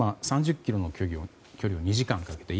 ３０ｋｍの距離を２時間かけて。